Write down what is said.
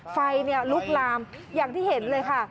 ไฟลุกลามอย่างที่เห็นเลยค่ะ